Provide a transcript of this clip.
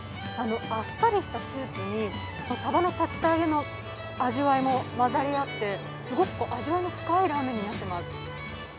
あっさりしたスープにサバの竜田揚げの味わいも混ざり合って、すごく味わいの深いラーメンになっています。